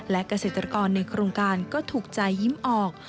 และเกษตรกรในโครงการก็ถูกใจยิ้มออก